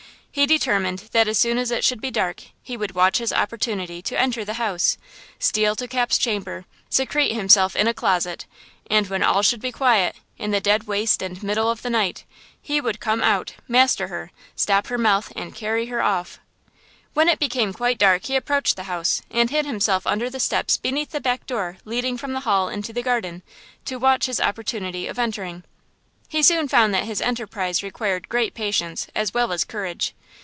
He determined that as soon as it should be dark he would watch his opportunity to enter the house, steal to Cap's chamber, secrete himself in a closet, and when all should be quiet, "in the dead waste and middle of the night," he would come out, master her, stop her mouth and carry her off. When it became quite dark he approached the house, and hid himself under the steps beneath the back door leading from the hall into the garden, to watch his opportunity of entering. He soon found that his enterprise required great patience as well as courage.